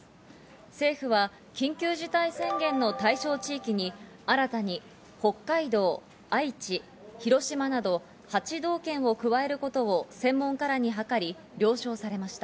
政府は緊急事態宣言の対象地域に新たに北海道、愛知、広島など８道県を加えることを専門家らに諮り、了承されました。